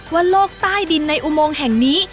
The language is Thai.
ว่าโลกใต้ดินในอุโมงแห่งนี้